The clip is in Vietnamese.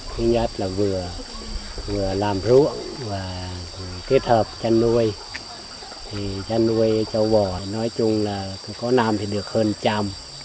thứ nhất là vừa làm ruộng và kết hợp chăn nuôi thì chăn nuôi châu bò nói chung là có năm thì được hơn trăm